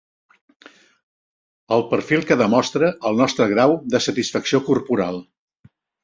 El perfil que demostra el nostre grau de satisfacció corporal.